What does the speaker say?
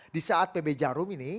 di saat pb jarum ini